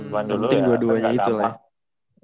mending dua duanya itu lah ya